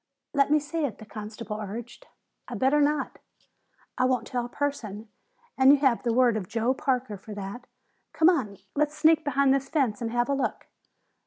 "Let me see it," the constable urged. "I'd better not." "I won't tell a person, and you have the word of Joe Parker for that. Come on. Let's sneak behind this fence and have a look."